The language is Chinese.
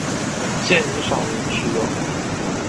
现已少人使用。